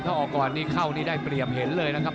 ถ้าออกก่อนนี่เข้านี่ได้เปรียบเห็นเลยนะครับ